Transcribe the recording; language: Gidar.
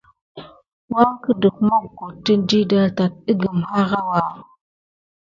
Wangeken moggoktə diɗa day tat əgəm harawa.